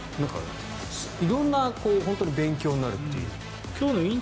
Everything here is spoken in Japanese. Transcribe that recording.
色んな勉強になるという。